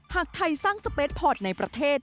หากไทยสร้างสเปคพอร์ตในประเทศ